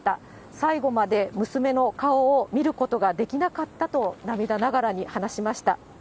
最後まで娘の顔を見ることができなかったと涙ながらに話しました。